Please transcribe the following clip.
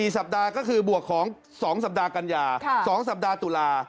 ๔สัปดาห์ก็คือบวกของ๒สัปดาห์กันยา๒สัปดาห์ตุลา